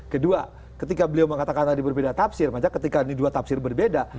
kedua ketika beliau mengatakan tadi berbeda tafsir maka ketika ini dua tafsir berbeda